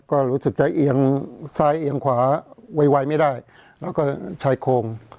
ก็รู้สึกใจเอียงซ้ายเอียงขวาไวไม่ได้แล้วก็ชายโครง